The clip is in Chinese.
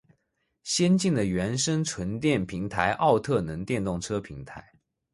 先进的原生纯电平台奥特能电动车平台